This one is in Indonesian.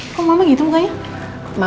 kok mama gitu mukanya